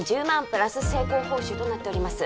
プラス成功報酬となっております